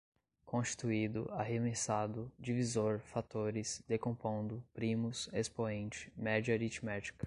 constituído, arremessado, divisor, fatores, decompondo, primos, expoente, média aritmética